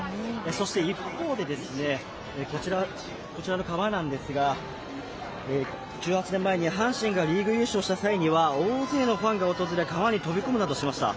そして一方で、こちらの川なんですが、１８年前に阪神がリーグ優勝した際には大勢のファンが訪れ川に飛び込むなどしました。